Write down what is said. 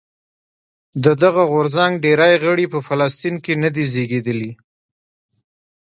د دغه غورځنګ ډېری غړي په فلسطین کې نه دي زېږېدلي.